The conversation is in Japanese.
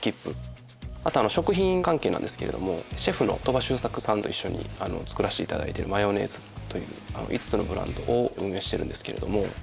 あと食品関係なんですけれどもシェフの鳥羽周作さんと一緒に作らせて頂いているマヨネーズという５つのブランドを運営してるんですけれども。